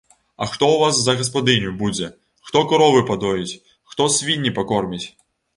А хто ў вас за гаспадыню будзе, хто каровы падоіць, хто свінні пакорміць?